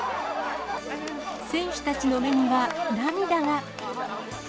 選手たちの目には涙が。